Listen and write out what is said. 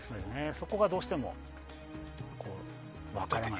そこがどうしても分からない。